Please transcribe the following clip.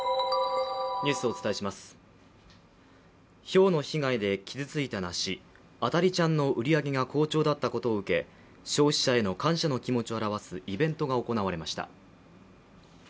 ひょうの被害で傷ついた梨、あた梨ちゃんの売り上げが好調だったことを受け、消費者への感謝の気持ちを表すイベントが行われました。